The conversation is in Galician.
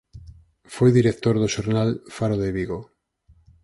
Foi director do xornal "Faro de Vigo".